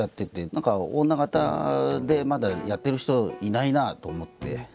何か女形でまだやってる人いないなと思って。